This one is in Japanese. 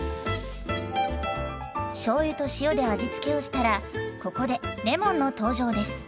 しょうゆと塩で味付けをしたらここでレモンの登場です。